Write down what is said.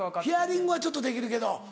ヒアリングはちょっとできるけど。